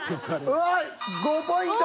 わあ５ポイント！